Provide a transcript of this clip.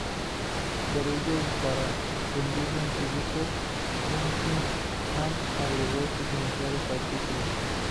Por ello y para rendirle un tributo, Buckingham agregó sus iniciales al título.